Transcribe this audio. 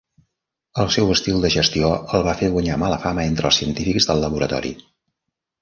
El seu estil de gestió el va fer guanyar mala fama entre els científics del laboratori.